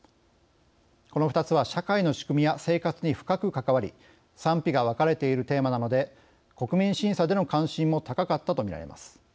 この２つは、社会の仕組みや生活に深く関わり賛否が分かれているテーマなので国民審査での関心も高かったとみられます。